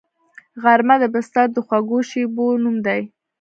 غرمه د بستر د خوږو شیبو نوم دی